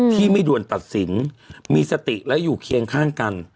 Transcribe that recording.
ที่ไม่ด่วนตัดสินมีสติและอยู่เคียงข้างกัน